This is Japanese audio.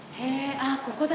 あっここだ！